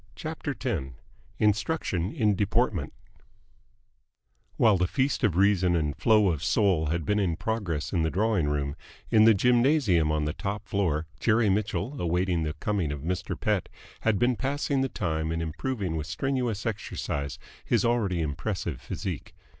CHAPTER X INSTRUCTION IN DEPORTMENT While the feast of reason and flow of soul had been in progress in the drawing room, in the gymnasium on the top floor Jerry Mitchell, awaiting the coming of Mr. Pett, had been passing the time in improving with strenuous exercise his already impressive physique.